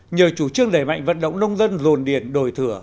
nhờ chủ trương đẩy mạnh vận động nông dân dồn điền đổi thửa